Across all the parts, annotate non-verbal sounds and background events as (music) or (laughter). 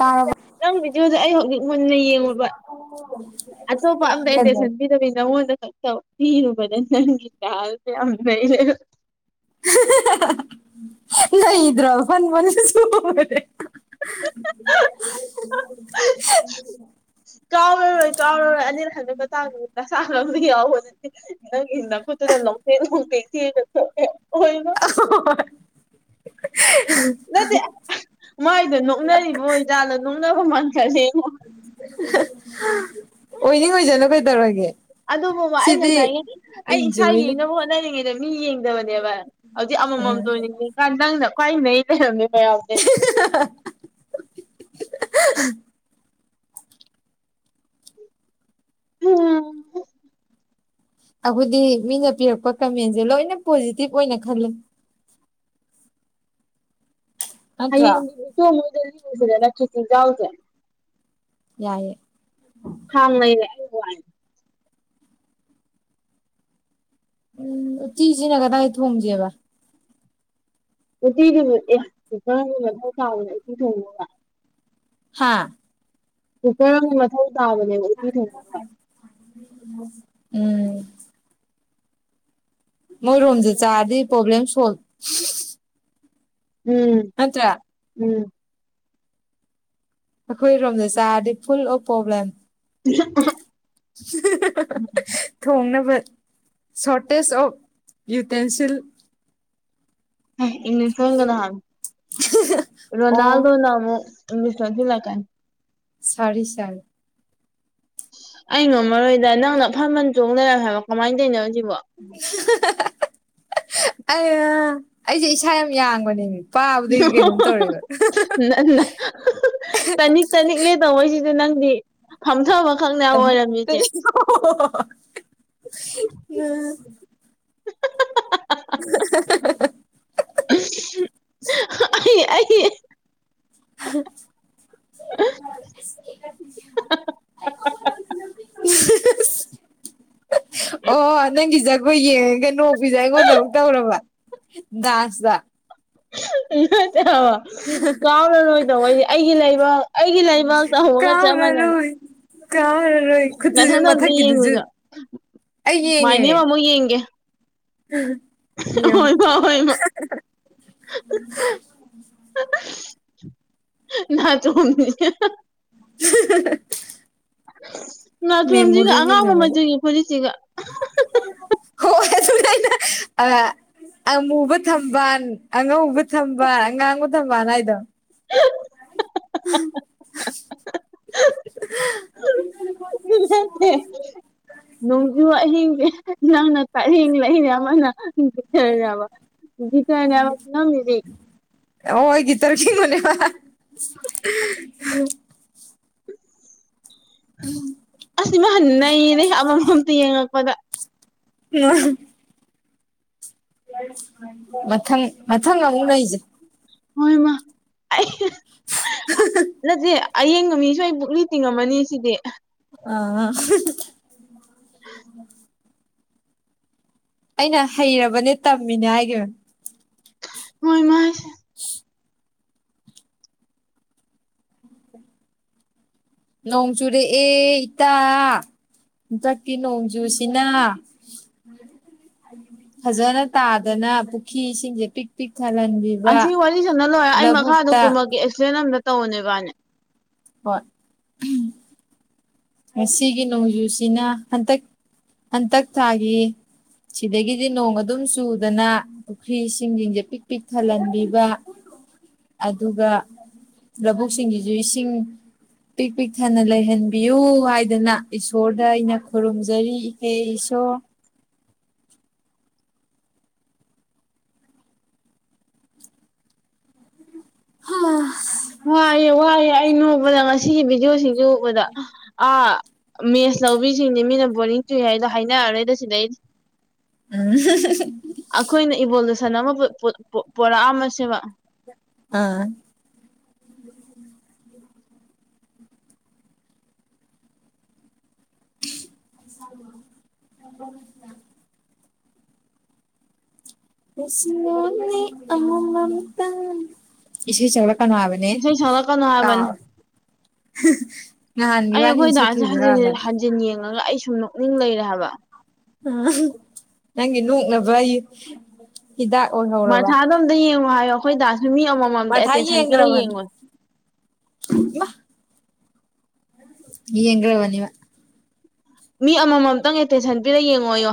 ꯇꯥꯔꯕ ꯅꯪ ꯚꯗꯤꯑꯣꯗꯣ ꯑꯩ ꯍꯧꯖꯤꯛ ꯃꯨꯟꯅ ꯌꯦꯡꯉꯨꯕ ꯑꯣ (inaudible) ꯑꯇꯣꯞꯄ ꯑꯝꯇ ꯑꯦꯟꯇꯦꯟꯁꯥꯟ ꯄꯤꯗꯕꯤ ꯅꯉꯣꯟꯗ ꯈꯛ (unintelligible) ꯕ ꯅꯪꯒꯤ ꯗꯥꯟꯁ ꯌꯥꯝ ꯅꯩ ꯂꯩꯔꯝꯃꯦ (unintelligible) (unintelligible) (unintelligible) ꯀꯥꯎꯔꯔꯣꯏ ꯀꯥꯎꯔꯔꯣꯏ ꯑꯅꯤꯔꯛ ꯍꯥꯟꯕꯩ ꯃꯇꯥꯡꯗꯨꯅꯤꯗ (unintelligible) ꯅꯪꯒꯤ ꯅꯈꯨꯠꯇꯨꯅ ꯂꯣꯡ ꯂꯣꯡꯊꯦꯛ ꯊꯦꯡꯑꯒ (unintelligible) ꯑꯣꯏ ꯢꯃꯥ ꯅꯠꯇꯦ ꯃꯥꯏꯗꯣ ꯅꯣꯛꯅꯔꯤꯕ ꯑꯣꯏ ꯖꯥꯠꯂ ꯅꯣꯛꯅꯕ ꯃꯥꯟꯈꯔꯥꯅꯤ ꯑꯩꯉꯣꯟꯗ ꯑꯣꯏꯅꯤꯡ ꯑꯣꯏꯖꯅꯨ ꯀꯩꯗꯧꯔꯒꯦ ꯑꯗꯨꯕꯨꯕ ꯑꯩꯩ ꯁꯤꯗꯤ ꯉꯁꯥꯏꯒꯤ ꯑꯩ ꯏꯁꯥ ꯏꯟꯖꯣꯏꯅ ꯌꯦꯡꯅꯕ ꯍꯣꯠꯅꯔꯤꯉꯩꯗ ꯃꯤ ꯌꯦꯡꯗꯕꯅꯦꯕ ꯍꯧꯖꯤꯛ ꯎꯝ ꯑꯃꯃꯝꯇ ꯑꯣꯏꯅ ꯌꯦꯡ ꯅꯪꯅ ꯈ꯭ꯋꯥꯏ ꯅꯩ ꯂꯩꯔꯝꯃꯦ ꯃꯌꯥꯝꯗꯩ (unintelligible) ꯎꯝ (unintelligible) ꯑꯈꯣꯏꯗꯤ ꯃꯤꯅ ꯄꯤꯔꯛꯄ ꯀꯃꯦꯟꯁꯦ ꯂꯣꯏꯅ ꯄꯣꯖꯤꯇꯤꯚ ꯑꯣꯏꯅ ꯈꯜꯂꯦ ꯅꯠꯇ꯭ꯔꯣ ꯍꯌꯦꯡꯗꯤ (unintelligible) ꯈꯥꯖꯤꯡ ꯆꯥꯎꯖꯦ ꯌꯥꯏꯌꯦ ꯍ (unintelligible) ꯎꯝ ꯎꯇꯤꯖꯤꯅ ꯀꯗꯥꯏ ꯊꯣꯡꯖꯦꯕ ꯎꯇꯤꯗꯨꯕꯨ ꯑꯦ ꯀꯨꯨꯀꯔ ꯑꯃꯗꯤ ꯃꯊꯧ ꯇꯥꯕꯅꯤ ꯎꯇꯤ ꯊꯣꯡꯕꯗ ꯍꯥꯥ ꯀꯨꯀꯔ ꯑꯃꯗꯤ ꯃꯊꯧ ꯇꯥꯕꯅꯦꯕ ꯎꯇꯤ ꯊꯣꯡꯕꯗ ꯎꯝ ꯃꯣꯏ ꯔꯣꯝꯗ ꯆꯥꯔꯗꯤ ꯄ꯭ꯔꯣꯕ꯭ꯂꯦꯝ ꯁꯣꯜꯕ ꯎꯝ ꯅꯠꯇ꯭ꯔꯥ ꯎꯝ ꯑꯩꯈꯣꯏꯔꯣꯝꯗ ꯆꯥꯔꯗꯤ ꯐꯨꯜ ꯑꯣꯐ ꯄ꯭ꯔꯣꯕ꯭ꯂꯦꯝ (unintelligible) ꯊꯣꯡꯅꯕ ꯁꯣꯔꯇꯦꯖ ꯑꯣꯐ ꯌꯨꯇꯦꯟꯁꯤꯜ (unintelligible) ꯑꯣ ꯔꯣꯅꯥꯜꯗꯣꯅ ꯑꯃꯨꯛ ꯏꯪꯂꯤꯁ ꯂꯣꯟꯖꯤꯟꯂꯛꯀꯅꯤ (unintelligible) ꯑꯩ ꯉꯝꯃꯔꯣꯏꯗ ꯅꯪꯅ ꯐꯟ ꯐꯟ ꯆꯣꯡꯗꯅ ꯍꯥꯏꯕ ꯀꯃꯥꯏ ꯇꯧꯔꯤꯅꯣ ꯁꯤꯕꯣ ꯑꯩꯌꯥ ꯑꯩꯁꯦ ꯏꯁꯥ ꯌꯥꯝ ꯌꯥꯡꯕꯅꯦꯃꯦ (unintelligible) ꯑꯗꯨ ꯅꯪꯗꯤ ꯐꯝꯊꯕꯈꯛꯅꯦ (unintelligible) ꯑꯩ ꯑꯩ (inaudible) (inaudible) ꯑꯣ ꯅꯪꯒꯤ ꯖꯒꯣꯏ ꯌꯦꯡꯉꯒ ꯅꯣꯛꯄꯤꯖꯦ ꯑꯩꯉꯣꯟꯗ ꯑꯃꯨꯛ ꯇꯧꯔꯕ ꯗꯥ꯭ꯟꯁꯗ ꯅꯠꯇꯦ ꯍꯥꯕ ꯆꯥꯎꯔꯔꯣꯏꯗꯧꯕꯩꯖꯦ ꯑꯩꯒꯤ ꯂꯩꯕꯥꯛ ꯑꯩꯒꯤ ꯂꯩꯕꯥꯛ ꯇꯧꯕꯒ ꯆꯞ ꯃꯟꯅꯔꯦ ꯀꯥꯎꯔꯔꯣꯏ ꯀꯥꯎꯔꯔꯣꯏ ꯈꯨꯠꯇꯨꯖꯨ ꯑꯝꯇ ꯃꯊꯛꯀꯤꯗꯨꯖꯨ ꯌꯦꯡꯉꯨꯆꯣ ꯑꯩ ꯌꯦꯡꯉꯦ (unintelligible) ꯌꯦꯡꯒꯦ (unintelligible) ꯌꯦꯡꯉꯣ ꯍꯣꯏꯕ ꯍꯣꯏꯕ ꯅꯥꯆꯣꯝ (unintelligible) (unintelligible) ꯅꯥꯆꯣꯝꯖꯤꯒ ꯃꯦꯃꯣꯔꯤꯅꯤ ꯑꯉꯥꯎꯕ ꯃꯦꯃꯣꯔꯤ ꯃꯆꯨꯒꯤ ꯐꯨꯔꯤꯠꯁꯤꯒ ꯍꯣꯏ ꯑꯗꯨꯅꯦ ꯑꯩꯅ ꯑꯥ ꯑꯃꯨꯕ ꯊꯝꯕꯥꯟ ꯑꯉꯧꯕ ꯊꯝꯕꯥꯟ ꯑꯉꯥꯡꯕ ꯊꯝꯕꯥꯜ ꯍꯥꯏꯗꯣ (unintelligible) ꯅꯠꯇ‌ꯦ ꯅꯣꯡꯖꯨ ꯑꯍꯤꯡꯒ‌ꯦ ꯅꯪꯅ ꯇꯔꯦꯡ ꯂꯩꯅꯦ ꯑꯃꯅ ꯒꯤꯇꯔꯅꯦꯕ ꯒꯤꯇꯔꯅꯦꯕ ꯅꯪꯒꯤꯗꯤ ꯑꯣ ꯑꯩꯒꯤ (unintelligible) ꯑꯁꯤ ꯃꯥ ꯅꯩꯔ‌ꯦꯍ‌ꯦ ꯑꯃꯃꯝꯇ ꯌꯦꯡꯉꯛꯄꯗ (unintelligible) ꯃꯊꯪ ꯃꯊꯪ ꯑꯃꯨꯛ ꯂꯩꯖ‌ꯦ ꯍꯣꯏ ꯃꯥ ꯑꯥ ꯅꯠꯇ‌ꯦ ꯑꯌꯦꯡꯕ ꯃꯤꯁꯨ ꯑꯩ ꯄꯨꯛꯂꯤ ꯇꯤꯡꯉꯝꯃꯅꯤ ꯁꯤꯗꯤ ꯑꯥ (unintelligible) ꯑꯩꯅ ꯍꯩꯔꯕꯅꯦ ꯇꯝꯃꯤꯅꯦ ꯍꯥꯏꯒꯤꯝ ꯃ‌ꯣꯏꯃꯥ (unintelligible) ꯅꯣꯡ ꯆꯨꯔꯦꯑꯦ ꯏꯇꯥ ꯍꯟꯗꯛꯀꯤ ꯅꯣꯡꯖꯨꯁꯤꯅ ꯐꯖꯅ ꯇꯥꯗꯅ ꯄꯨꯈ꯭ꯔꯤ ꯏꯁꯤꯡꯁꯦ ꯄꯤꯛ ꯄꯤꯛ ꯊꯜꯍꯟꯕꯤ ꯑꯁꯤ ꯋꯥꯔꯤ ꯁꯥꯟꯅ ꯂꯣꯏꯔ ꯑꯩ ꯃꯈꯥꯗ ꯀꯨꯝꯃꯛꯀ‌ꯦ ꯑꯦꯛꯁꯄ꯭ꯂ‌ꯦꯟ ꯑꯝꯇ ꯇꯧ ꯅ‌ꯣꯏꯕꯅꯤ ꯍꯣꯏ ꯉꯁꯤꯒꯤ ꯅꯣꯡꯖꯨꯁꯤꯅ ꯍꯟꯇꯛ ꯍꯟꯇꯛ ꯊꯥꯒꯤ ꯁꯤꯗꯒꯤꯗꯤ ꯅꯣꯡ ꯑꯗꯨꯝ ꯆꯨꯗꯅ ꯄꯨꯈ꯭ꯔꯤ ꯏꯁꯤꯡꯁꯤꯡꯖ‌ꯦ ꯄꯤꯛ ꯄꯤꯛ ꯊꯜꯍꯟꯕꯤꯕ ꯑꯗꯨꯒ ꯂꯧꯕꯨꯛ ꯁꯤꯡꯒꯤꯁꯨ ꯏꯁꯤꯡ ꯄꯤꯛ ꯄꯤꯛ ꯊꯟꯅ ꯂꯩꯍꯟꯕꯤꯌꯨ ꯍꯥꯏꯗꯅ ꯏꯁꯣꯔꯗ ꯑꯩꯅ ꯈꯨꯔꯨꯝꯖꯔꯤ ꯏꯍꯦ ꯏꯁꯣꯔ ꯍꯥ ꯋꯥꯏꯑꯦ ꯋꯥꯏꯑꯦ ꯑꯩ ꯅꯣꯛꯕꯗ ꯉꯁꯤꯒꯤ ꯚꯤꯗꯤꯑꯣꯁꯤꯡꯁ‌ꯦ ꯎꯕꯗ ꯑꯥ ꯃꯦꯁ ꯂꯧꯕꯤꯁꯤꯡꯁ‌ꯦ ꯃꯤꯅ ꯕꯣꯔꯤꯡ ꯆꯨꯏ ꯍꯥꯏꯗꯣ ꯍꯥꯏꯅꯔꯔꯣꯏꯗ ꯁꯤꯗꯩ ꯎꯝ ꯑꯩꯈꯣꯏꯅ ꯏꯕꯣꯂꯨꯁꯟ ꯑꯃ ꯄꯣꯔꯛꯑꯝꯃꯁꯦꯕ ꯑꯥ ꯍ (inaudible) ꯍꯩꯁꯤꯜꯂꯣꯅꯦ ꯑꯃꯃꯝꯇꯪ ꯢꯁꯩ ꯁꯥꯛꯂꯛꯒꯅꯣ ꯍꯥꯢꯕꯅꯦ ꯏꯁꯩ ꯁꯛꯂꯛꯀꯅꯣ ꯍꯥꯏꯕꯅꯤ ꯀꯥꯎ ꯅꯍꯥꯟ ꯑꯩ ꯑꯩꯈꯣꯏ ꯢꯕꯥꯟꯅꯤꯅ ꯗꯥꯁꯦ ꯍꯟꯖꯤꯟ ꯁꯥꯛꯈꯤꯕꯗꯨꯔꯣ ꯌꯦꯡꯉꯒ ꯑꯩ ꯁꯨꯝ ꯅꯣꯛꯅꯤꯡ ꯂꯩꯔꯦ ꯍꯥꯏꯕ ꯑ ꯅꯪꯒꯤ ꯅꯣꯛꯅꯕ ꯍꯥꯢꯌꯦ ꯍꯤꯗꯥꯛ ꯑꯣꯏ ꯃꯁꯥꯗꯣꯝꯗ ꯌꯦꯡꯉꯣ ꯍꯥꯏꯌꯣ ꯑꯩꯈꯣꯏ ꯗꯥꯁꯨ ꯃꯤ ꯑꯃꯃꯝꯗ ꯃꯊꯥ ꯑꯦꯇꯦꯟꯁꯟ ꯄꯤꯔꯒ ꯌꯦꯡꯉꯣ ꯢꯃꯥ ꯌꯦꯡꯒ꯭ꯔꯥꯕꯅꯦ ꯃꯥ ꯃꯤ ꯑꯃꯃꯝꯇꯪ ꯑꯦꯇꯦꯟꯁꯟ ꯄꯤꯔꯒ ꯌꯦꯡꯉꯣꯌꯣ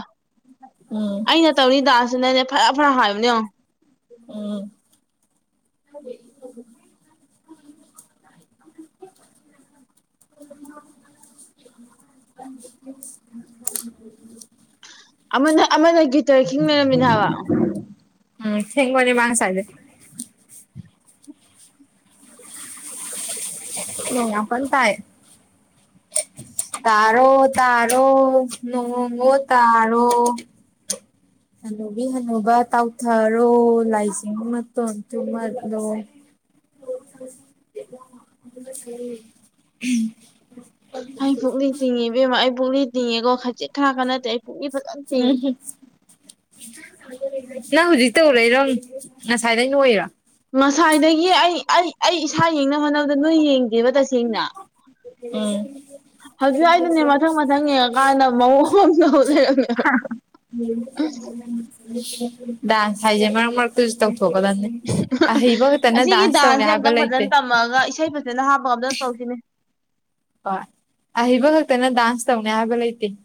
ꯎꯝ ꯑꯩꯅ ꯇꯧꯔꯤ ꯗꯥꯟꯁꯁꯤꯅꯅꯦ ꯐꯔꯥ ꯐꯔꯥ ꯍꯥꯏꯕꯅꯦꯉꯣ ꯎꯝ (inaudible) (inaudible) (inaudible) ꯑꯃꯅ ꯑꯃꯅ ꯒꯤꯇꯔ ꯈꯤꯡ ꯂꯩꯔꯝꯃꯤꯅꯦ ꯍꯥꯏꯕ ꯎꯝ ꯊꯦꯡꯕꯅꯦ ꯃꯥ ꯉꯁꯥꯢꯗꯩ ꯅꯣꯡ ꯌꯥꯝ ꯀꯥꯟꯅ ꯇꯥꯢ ꯇꯥꯔꯣ ꯇꯥꯔꯣ ꯅꯣꯡꯉꯣ ꯇꯥꯔꯣ ꯍꯅꯨꯕꯤ ꯍꯅꯨꯕ ꯇꯥꯎꯊꯔꯣ ꯂꯥꯏꯖꯤꯡ ꯃꯇꯣꯟ ꯊꯨꯝꯃꯠꯂꯣ (inaudible) ꯑꯩ ꯄꯨꯛꯂꯤ ꯇꯤꯡꯉꯦ ꯏꯕꯦꯝꯃꯥ ꯑꯩ ꯄꯨꯛꯂꯤ ꯇꯤꯡꯉꯦꯀꯣ ꯈꯥꯖꯤꯛ ꯈꯔꯥꯛꯒ ꯅꯠꯇꯦ ꯄꯨꯛꯂꯤ ꯐꯖꯅ ꯇꯤꯡꯉꯤ ꯑ (unintelligible) ꯅꯪ ꯍꯧꯖꯤꯛ ꯇꯧꯔꯛꯢꯔꯣ ꯉꯁꯥꯏꯗꯩ ꯅꯣꯛꯢꯔꯣ ꯉꯁꯥꯏꯗꯒꯤ ꯑꯩ ꯑꯩ ꯑꯩ ꯏꯁꯥ ꯌꯦꯡꯅꯕ ꯍꯣꯠꯅꯕꯗ ꯅꯣꯏ ꯌꯦꯡꯗꯦꯕ ꯇꯁꯦꯡꯅ ꯎꯝ ꯍꯧꯖꯤꯛ ꯑꯩꯗꯨꯅꯦ ꯃꯊꯪ ꯃꯊꯪ ꯌꯦꯡꯉꯀꯥꯟꯗ ꯃꯑꯣꯡ ꯑꯃ ꯇꯧ ꯂꯩꯔꯝꯃꯦꯕ ꯗꯥꯟꯁ ꯍꯥꯏꯁꯦ ꯃꯔꯛ ꯃꯔꯛꯇꯁꯨ ꯇꯧꯊꯣꯛꯀꯗꯕꯅꯤ ꯑꯍꯩꯕ ꯈꯛꯇꯅ ꯑꯁꯤꯒꯤ ꯗꯥꯟꯁ ꯇꯧꯅꯤ ꯗꯥꯟꯁꯁꯦ ꯍꯥꯏꯕ ꯑꯝꯇꯪ ꯂꯩꯇꯦ ꯐꯖꯅ ꯇꯝꯃꯒ ꯏꯁꯩ ꯐꯖꯅ ꯍꯥꯞꯄꯒ ꯑꯝꯇ ꯇꯧꯁꯤꯅꯦ ꯍꯣꯏ ꯑꯍꯩꯕ ꯈꯛꯇꯅ ꯗꯥꯟꯁ ꯇꯧꯅꯤ ꯍꯥꯏꯕ ꯂꯩꯇꯦ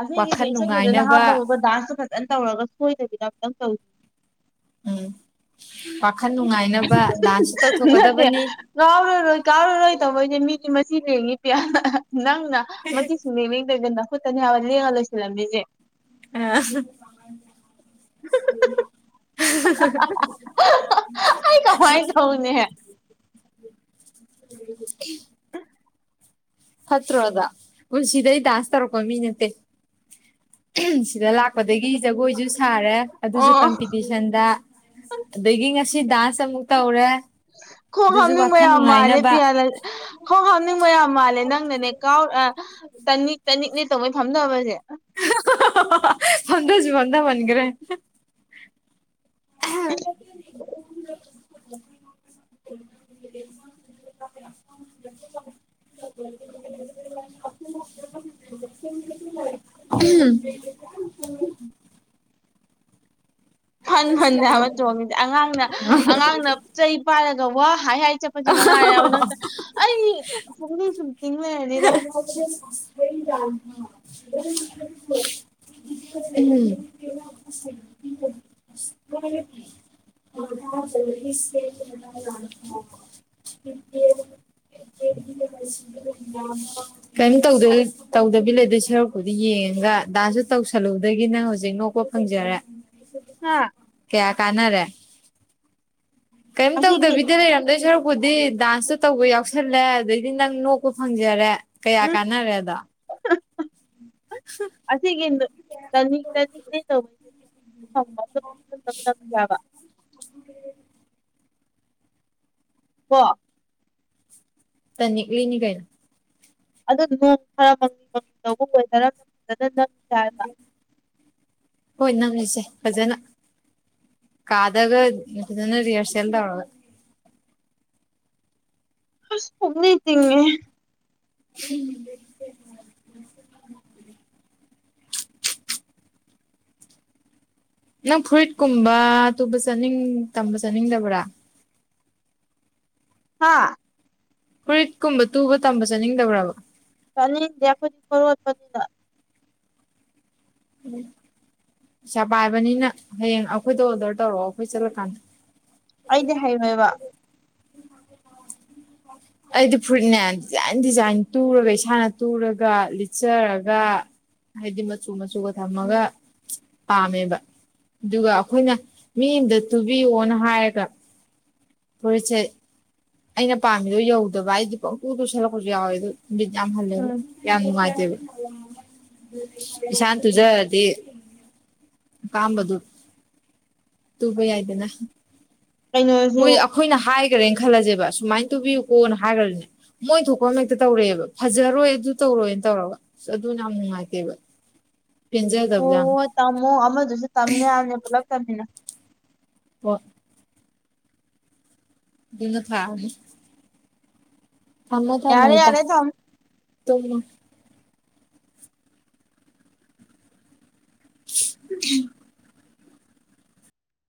ꯑꯁꯤꯒꯤꯁꯦ ꯋꯥꯈꯜ ꯏꯁꯩ ꯐꯖꯅ ꯅꯨꯡꯉꯥꯏꯅꯕ ꯍꯥꯞꯄꯒꯥ ꯗꯥꯟꯁꯇꯣ ꯐꯖꯅ ꯇꯧꯔꯒ ꯁꯣꯏꯗꯕꯤꯗ ꯑꯃꯇꯪ ꯇꯧꯁꯦ ꯎꯝ ꯋꯥꯈꯜ ꯅꯨꯡꯉꯥꯏꯅꯕ ꯗꯥꯟꯁꯁꯨ ꯅꯠꯇꯦ ꯇꯧꯊꯣꯛꯀꯗꯕꯅꯤ ꯀꯥꯎꯔꯔꯣꯏ ꯀꯥꯎꯔꯔꯣꯏ ꯇꯧꯕꯩꯅꯦ ꯃꯤꯗꯤ ꯃꯁꯤꯡ ꯂꯦꯡꯉꯤ ꯅꯪꯅ ꯃꯆꯤ ꯁꯨꯡꯂꯦꯟ ꯂꯦꯟꯗꯅ ꯅꯈꯠꯇꯅꯤ ꯍꯥꯏꯕ ꯂꯦꯡꯉ ꯂꯣꯏꯁꯤꯜꯂꯝꯃꯤꯁꯤ ꯑ (unintelligible) ꯑꯩ ꯀꯃꯥꯏꯅꯥ ꯇꯧꯅꯤ ꯎ (inaudible) ꯐꯠꯇ꯭ꯔꯣ ꯑꯗꯣ ꯄꯨꯟꯁꯤꯗ ꯗꯥꯟꯁ ꯇꯧꯔꯛꯄ ꯃꯤ ꯅꯠꯇꯦ ꯁꯤꯗ ꯂꯥꯛꯄꯗꯒꯤ ꯖꯒꯣꯏꯁꯨ ꯁꯥꯔꯦ ꯑꯗꯨꯁꯨ ꯑꯣ ꯀꯝꯄꯤꯇꯤꯁꯟꯗ ꯑꯗꯒꯤ ꯉꯁꯤ ꯗꯥꯟꯁ ꯑꯃꯨꯛ ꯇꯧꯔꯦ ꯈꯣꯡ ꯑꯗꯨꯁꯨ ꯍꯥꯝꯅꯤꯡꯕꯥ ꯋꯥꯈꯜ ꯌꯥꯝ ꯃꯥꯂꯦ ꯅꯨꯡꯉꯥꯏꯅꯕ ꯈꯣꯡ ꯍꯥꯝꯅꯤꯡꯕ ꯌꯥꯝ ꯃꯥꯜꯂꯦ ꯅꯪꯅꯅꯦ ꯀꯥꯎ ꯇꯅꯤꯛ ꯇꯅꯤꯛꯅꯦ ꯇꯧꯉꯩ ꯐꯝꯗꯕꯁꯦ ꯐꯝꯗꯥꯁꯨ ꯐꯃꯗꯥꯃꯟꯈ꯭ꯔꯦ ꯑꯍꯝ (inaudible) (inaudible) (inaudible) ꯎꯝ (inaudible) ꯐꯟ ꯐꯟꯅꯤ ꯍꯥꯏꯕꯥ ꯆꯣꯡꯉꯤꯁꯦ ꯑꯉꯥꯡꯅ ꯑꯉꯥꯡꯅ ꯆꯩ ꯄꯥꯏꯔꯒ ꯋꯥ ꯍꯥꯏ ꯍꯥꯏ ꯆꯞ (unintelligible) ꯑꯩ ꯄꯨꯛꯂꯤ ꯁꯨꯝ ꯇꯤꯡ ꯂꯩꯔꯅꯤꯗ ꯎꯝ (inaudible) (inaudible) (unintelligible) (inaudible) ꯀꯩꯝ ꯇꯧꯗꯦꯍꯦ ꯇꯧꯗꯕꯤ ꯂꯩꯗ ꯁꯔꯨꯛꯄꯨꯗꯤ ꯌꯦꯡꯉꯒ ꯗꯥꯟꯁꯇꯨ ꯇꯧꯁꯤꯜꯂꯨꯕꯗꯒꯤ ꯅꯪ ꯍꯧꯖꯤꯛ ꯅꯣꯛꯄ ꯐꯪꯖꯔꯦ ꯍꯥ ꯀꯌꯥ ꯀꯥꯟꯅꯔꯦ ꯀꯔꯤꯝ ꯑꯁꯤꯒꯤ ꯇꯧꯗꯕꯤꯗ ꯂꯩꯔꯝꯗꯣꯏ ꯁꯔꯨꯛ ꯕꯨꯗꯤ ꯗꯥꯟꯁꯇꯨ ꯇꯧꯕ ꯌꯥꯎꯁꯜꯂꯦ ꯑꯗꯩꯗꯤ ꯅꯪ ꯅꯣꯛꯄ ꯐꯪꯖꯔꯦ ꯀꯌꯥ ꯎꯝ ꯀꯥꯟꯅꯔꯦ ꯑꯗꯣ ꯑꯁꯤꯒꯤ ꯇꯅꯤꯛ ꯇꯅꯤꯛꯂꯦ ꯇꯧꯕꯩꯖꯦ (unintelligible) (inaudible) ꯀꯣ (inaudible) ꯇꯅꯤꯛꯂꯤꯅꯤ ꯀꯩꯅꯣ ꯑꯗꯨꯗꯣ ꯅꯣꯡ ꯈꯔ ꯃꯪꯂꯤ ꯃꯪꯂꯤ ꯇꯧꯕ ꯋꯦꯗꯔ ꯑꯃꯗ ꯐꯖꯅ ꯅꯝꯁꯤ ꯍꯥꯏꯕ ꯍꯣꯏ ꯅꯝꯖꯤꯁꯦ ꯐꯖꯅ ꯀꯥꯗꯒ ꯐꯖꯅ ꯔꯤꯌꯔꯁꯩꯜ ꯇꯧꯔꯒ ꯑꯁ ꯄꯨꯛꯂꯤ ꯇꯤꯡꯉꯦꯍꯦ ꯎꯝ (inaudible) ꯅꯪ ꯐꯨꯔꯤꯠꯀꯨꯝꯕ ꯇꯨꯕ ꯆꯠꯅꯤꯡ ꯇꯝꯕ ꯆꯠꯅꯤꯡꯗꯕ꯭ꯔꯥ ꯍꯥꯥ ꯐꯨꯔꯤꯠꯀꯨꯝꯕ ꯇꯨꯕ ꯇꯝꯕ ꯆꯠꯅꯤꯡꯗꯕꯔꯕ ꯆꯠꯅꯤꯡꯗꯦ ꯑꯩꯈꯣꯏꯗꯤ (unintelligible) ꯎꯝ ꯄꯩꯁꯥ ꯄꯥꯏꯕꯅꯤꯅ ꯍꯌꯦꯡ ꯑꯩꯈꯣꯏꯗ ꯑꯣꯗꯔ ꯇꯧꯔꯛꯑꯣ ꯑꯩꯈꯣꯏ ꯆꯠꯂꯀꯥꯟꯗ ꯑꯩꯗꯤ ꯍꯩꯔꯣꯏꯕ ꯑꯩꯗꯤ ꯐꯨꯔꯤꯠꯅꯦ ꯗꯤꯖꯥꯏꯟ ꯗꯤꯖꯥꯏꯟ ꯇꯨꯔꯒ ꯏꯁꯥꯅ ꯇꯨꯔꯒ ꯂꯤꯠꯆꯔꯒ ꯍꯥꯏꯗꯤ ꯃꯆꯨ ꯃꯆꯨꯒ ꯊꯝꯃꯒ ꯄꯥꯝꯃꯦꯕ ꯑꯗꯨꯒ ꯑꯩꯈꯣꯏꯅ ꯃꯤ ꯑꯃꯗ ꯇꯨꯕꯤꯌꯣꯅ ꯍꯥꯏꯔꯒ (unintelligible) ꯑꯩꯅ ꯄꯥꯝꯃꯤꯗꯣ ꯌꯧꯗꯕ ꯑꯩꯗꯤ ꯄꯪꯇꯨ ꯇꯨꯁꯜꯂꯛꯄꯁꯨ ꯌꯥꯎꯋꯦ ꯑꯗꯣ ꯕꯤꯠ ꯌꯥꯝ ꯍꯜꯂꯦꯕ ꯎꯝ ꯌꯥꯝ ꯅꯨꯡꯉꯥꯏꯇꯦꯕ ꯏꯁꯥꯅ ꯇꯨꯖꯔꯗꯤ ꯑꯄꯥꯝꯕꯗꯣ ꯇꯨꯕ ꯌꯥꯏꯗꯅ ꯀꯩꯅꯣꯁꯨ ꯃꯣꯏ ꯑꯩꯈꯣꯏꯅ ꯍꯥꯏꯈ꯭ꯔꯦꯅ ꯈꯜꯂꯁꯦꯕ ꯁꯨꯃꯥꯏꯅ ꯇꯨꯕꯤꯌꯨꯀꯣꯅ ꯍꯥꯏꯈ꯭ꯔꯁꯨꯅꯦ ꯃꯣꯏ ꯊꯣꯛꯄ ꯑꯃ ꯍꯦꯛꯇ ꯇꯧꯔꯛꯑꯦꯕ ꯐꯖꯔꯣꯏ ꯑꯗꯨ ꯇꯧꯔꯣꯏꯅ ꯇꯧꯔꯒ ꯑꯗꯨꯅ ꯌꯥꯝ ꯅꯨꯡꯉꯥꯏꯇꯦꯕ (inaudible) ꯑꯣ ꯌꯥꯝ ꯍꯣꯏ ꯇꯝꯃꯣ ꯑꯃꯗꯨꯁꯨ ꯇꯝꯅꯤ ꯍꯥꯏꯕꯅꯦ ꯄꯨꯂꯞ ꯇꯝꯃꯤꯟꯅꯧ (unintelligible) ꯑꯗꯨꯅ ꯐꯔꯅꯤ ꯊꯝꯃꯣ ꯊꯝꯃꯣ ꯌꯥꯔꯦ ꯏꯇꯥ ꯌꯥꯔꯦ ꯊꯝꯃꯣ ꯇꯨꯝꯃꯣ (unintelligible) (inaudible)